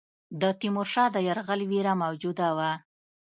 د تیمورشاه د یرغل وېره موجوده وه.